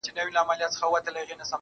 ښکلي مـــــــــونږ ته ځـکه بې وفا لګي